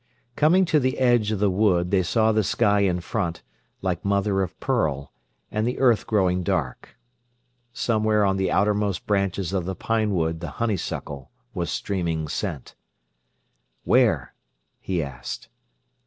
Coming to the edge of the wood, they saw the sky in front, like mother of pearl, and the earth growing dark. Somewhere on the outermost branches of the pine wood the honeysuckle was streaming scent. "Where?" he asked.